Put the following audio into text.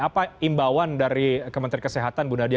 apa imbauan dari kementerian kesehatan bu nadia